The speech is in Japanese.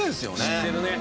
知ってるね。